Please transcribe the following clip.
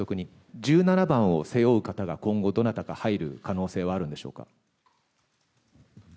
１７番を背負う方が今後どなたか入る可能性はあるんでしょうか。